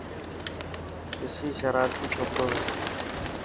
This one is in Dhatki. رشي شرارتي ڇوڪرو هي.